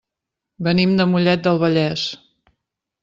Venim de Mollet del Vallès.